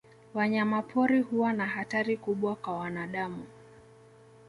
Wanyama pori huwa na hatari kubwa ka wanadamu.